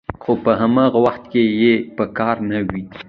خو په هماغه وخت کې یې په کار نه وي